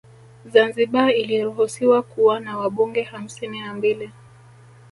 Zanzibar iliruhusiwa kuwa na Wabunge hamsini na mbili